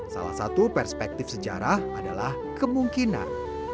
salah satu perspektif sejarah adalah kemungkinan